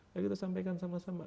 ya kita sampaikan sama sama